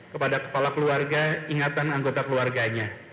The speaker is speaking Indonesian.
kepada kepala keluarga ingatan anggota keluarganya